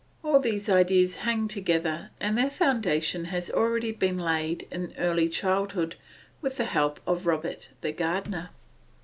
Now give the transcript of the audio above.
All these ideas hang together, and their foundation has already been laid in early childhood with the help of Robert the gardener.